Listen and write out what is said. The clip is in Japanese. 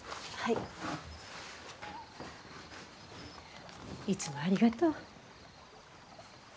いつもありがとう。